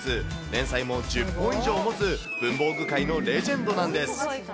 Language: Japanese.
連載も１０本以上持つ、文房具界のレジェンドなんです。